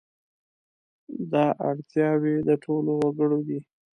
دا اړتیاوې د ټولو وګړو دي.